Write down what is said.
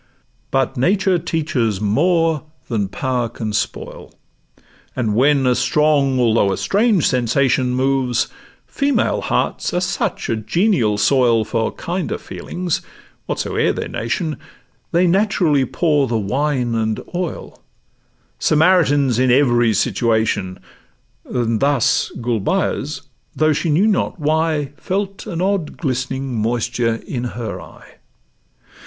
But nature teaches more than power can spoil, And, when a strong although a strange sensation Moves—female hearts are such a genial soil For kinder feelings, whatsoe'er their nation, They naturally pour the 'wine and oil,' Samaritans in every situation; And thus Gulbeyaz, though she knew not why, Felt an odd glistening moisture in her eye.